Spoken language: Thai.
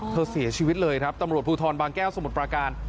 เสียชีวิตเลยครับตำรวจภูทรบางแก้วสมุทรปราการ